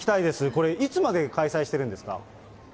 これ、いつまで開催してるんですか？